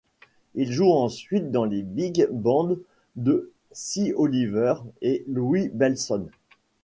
Il joue ensuite dans les big bands de Sy Oliver et Louie Bellson.